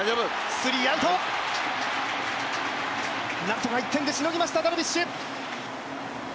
スリーアウト、なんとか１点にしのぎました、ダルビッシュ。